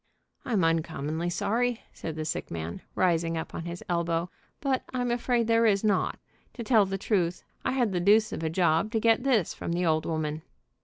"I'm uncommonly sorry," said the sick man, rising up on his elbow, "but I'm afraid there is not. To tell the truth, I had the deuce of a job to get this from the old woman."